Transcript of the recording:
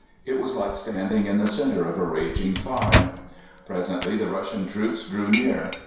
It was like standing in the centre of a raging fire. Presently the Russian troops drew near.